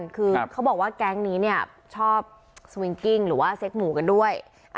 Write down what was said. คือเขาบอกว่าแก๊งนี้เนี่ยชอบสวิงกิ้งหรือว่าเซ็กหมูกันด้วย